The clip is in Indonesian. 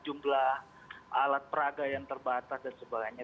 ataupun yang secara aplikasi oleh kpu memang kurang merangsang ya tumbuhnya